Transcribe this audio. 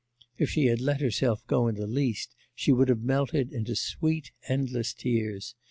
If she had let herself go in the least she would have melted into sweet, endless tears.